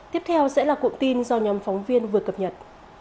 tiếp theo sẽ là cụm tin do nhóm phóng viên vừa cập nhật